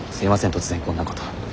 突然こんなこと。